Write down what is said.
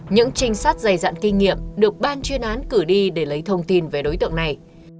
những trinh sát dày dặn kinh nghiệm được ban chuyên án cử đi để lấy thông tin về đối tượng này